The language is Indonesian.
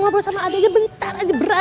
ngobrol sama adiknya bentar aja berat